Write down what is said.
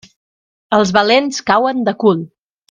Els valents cauen de cul.